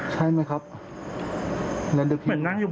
ใช่ไหมพี่